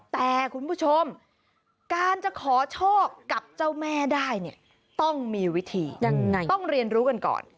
แต่คุณผู้ชมการจะขอโชคกับเจ้าแม่ได้เนี่ยต้องมีวิธียังไงต้องเรียนรู้กันก่อน